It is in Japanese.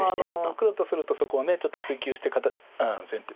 黒とするとそこをちょっと追及して。